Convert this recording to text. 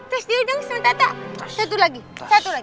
terus dia dong sama tata satu lagi satu lagi